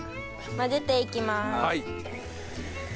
混ぜていきます。